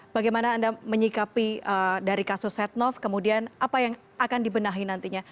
bagaimana anda menyikapi dari kasus setnov kemudian apa yang akan dibenahi nantinya